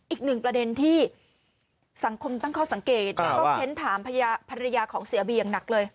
อีกหนึ่งประเด็นที่สังคมตั้งข้อสังเกตแล้วก็เค้นถามภรรยาของเสียบีอย่างหนักเลย